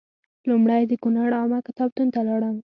لومړی د کونړ عامه کتابتون ته لاړم.